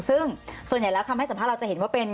ซึ่งส่วนใหญ่แล้วคำให้สัมภาษณ์จะเห็นว่าเป็น